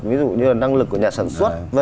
ví dụ như là năng lực của nhà sản xuất v